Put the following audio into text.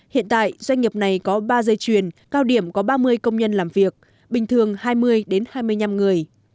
hiện tại doanh nghiệp này có ba dây chuyền cao điểm có ba mươi công nhân làm việc bình thường hai mươi hai mươi năm người